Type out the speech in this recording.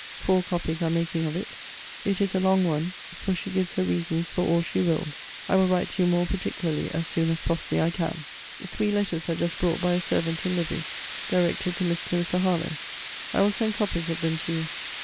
Four copies are making of it. It is a long one; for she gives her reasons for all she wills. I will write to you more particularly as soon as possibly I can. Three letters are just brought by a servant in livery, directed To Miss Clarissa Harlowe. I will send copies of them to you.